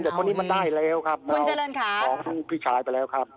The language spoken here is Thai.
แต่คนนี้มันได้แล้วครับคุณเจริญค่ะของพี่ชายไปแล้วครับ